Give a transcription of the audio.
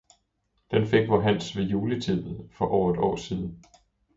Den fik vor Hans ved juletid for over et år siden.